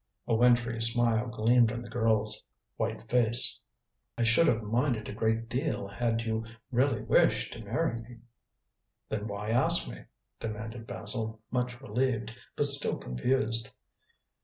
A wintry smile gleamed on the girl's white face. "I should have minded a great deal had you really wished to marry me." "Then why ask me?" demanded Basil, much relieved, but still confused.